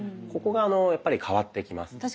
ここがやっぱり変わってきます。